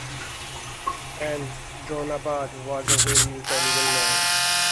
And Jonabad was a very intelligent man.